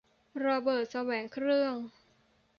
ระเบิดแสวงเครื่อง